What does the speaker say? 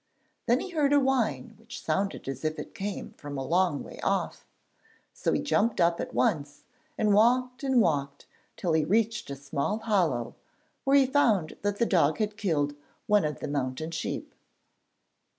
Then he heard a whine which sounded as if it came from a long way off, so he jumped up at once and walked and walked till he reached a small hollow, where he found that the dog had killed one of the mountain sheep.